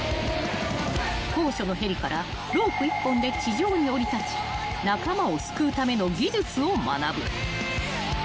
［高所のヘリからロープ一本で地上に降り立ち仲間を救うための技術を学ぶ］